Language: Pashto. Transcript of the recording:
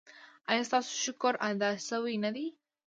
ایا ستاسو شکر ادا شوی نه دی؟